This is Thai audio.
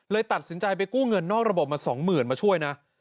ตัดสินใจไปกู้เงินนอกระบบมา๒๐๐๐มาช่วยนะ